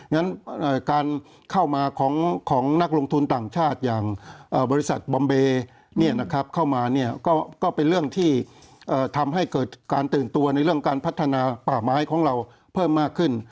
งั้นการเข้ามาของนักลงทุนต่างชาติอย่างบริษัทบอมเบย์เข้ามาก็เป็นเรื่องที่ทำให้เกิดการตื่นตัวในเรื่องการพัฒนาป่าไม้ของเราเพิ่มมากขึ้น